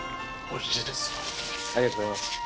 ありがとうございます。